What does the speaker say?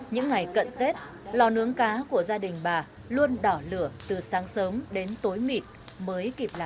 những ngày cận tết lò nướng cá của gia đình bà luôn đỏ lửa từ sáng sớm đến tối mưa